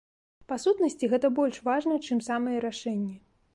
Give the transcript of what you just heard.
Па сутнасці, гэта больш важна, чым самыя рашэнні.